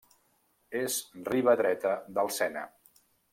És Riba Dreta del Sena.